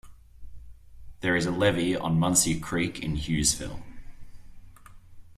There is a levee on Muncy Creek in Hughesville.